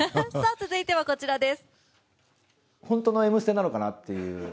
続いてはこちらです。